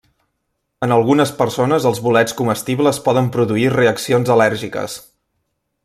En algunes persones els bolets comestibles poden produir reaccions al·lèrgiques.